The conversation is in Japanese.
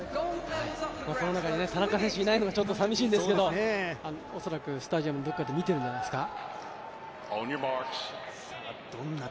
この中に田中選手がいないのがさみしいんですけど、恐らくスタジアムのどこかで見てるんじゃないですか。